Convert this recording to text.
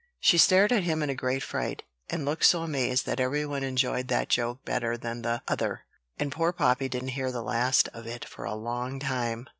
She stared at him in a great fright, and looked so amazed that every one enjoyed that joke better than the other; and poor Poppy didn't hear the last of it for a long time.